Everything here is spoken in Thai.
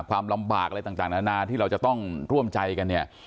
ความลำบากอะไรต่างนานาที่เราจะต้องร่วมใจกันเนี่ย